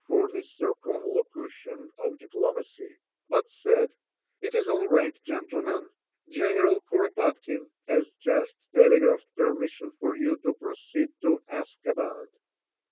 for the circumlocution of diplomacy, but said: "It is all right, gentlemen. General Kuropatkine has just telegraphed permission for you to proceed to Askabad."